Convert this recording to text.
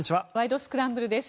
スクランブル」です。